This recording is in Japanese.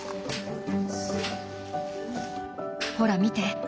ほら見て。